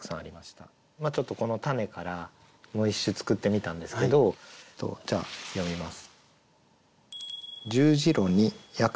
ちょっとこの「たね」からもう一首作ってみたんですけどじゃあ詠みます。